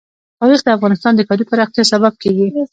تاریخ د افغانستان د ښاري پراختیا سبب کېږي.